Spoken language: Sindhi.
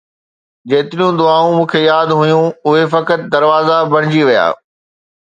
جيتريون دعائون مون کي ياد هيون، اهي فقط دروازا بڻجي ويا